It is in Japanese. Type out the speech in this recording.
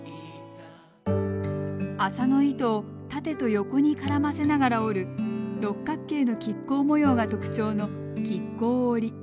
麻の糸を縦と横に絡ませながら織る六角形の亀甲模様が特徴の亀甲織。